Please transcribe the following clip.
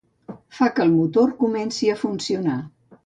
Fa que el motor comenci a funcionar.